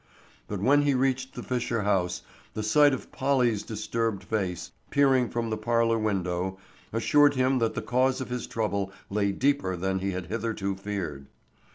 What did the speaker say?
But when he reached the Fisher house the sight of Polly's disturbed face, peering from the parlor window, assured him that the cause of his trouble lay deeper than he had hitherto feared.